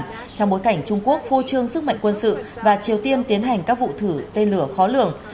trong bối cảnh trung quốc phô trương sức mạnh quân sự và triều tiên tiến hành các vụ thử tên lửa khó lường